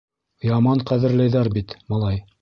Яман ҡәҙерләйҙәр бит, малай.